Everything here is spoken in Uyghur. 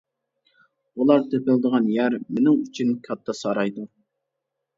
ئۇلار تېپىلىدىغان يەر مېنىڭ ئۈچۈن كاتتا سارايدۇر.